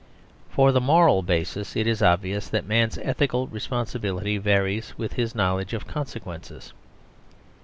For the moral basis, it is obvious that man's ethical responsibility varies with his knowledge of consequences.